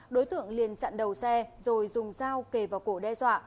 đối tượng liền chặn đầu xe rồi dùng dao kề vào cổ đe dọa